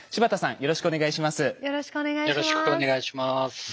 よろしくお願いします。